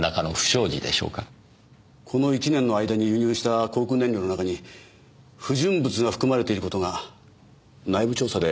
この１年の間に輸入した航空燃料の中に不純物が含まれている事が内部調査で判明したんです。